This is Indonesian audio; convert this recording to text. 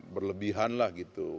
berlebihan lah gitu